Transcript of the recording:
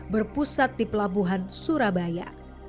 berpusat di pelabuhan surabaya